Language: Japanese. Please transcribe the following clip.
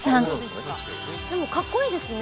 でもかっこいいですね。